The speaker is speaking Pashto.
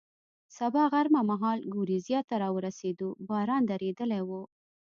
سبا غرمه مهال ګورېزیا ته را ورسېدو، باران درېدلی و.